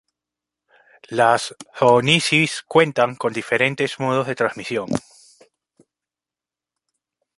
Las zoonosis cuentan con diferentes modos de transmisión.